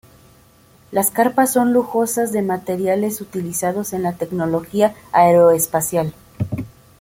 Las carpas son lujosas de materiales utilizados en la tecnología aeroespacial.